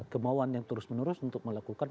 kemauan yang terus menerus untuk melakukan